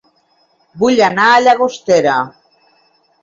Vull anar a Llagostera